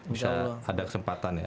bisa ada kesempatan ya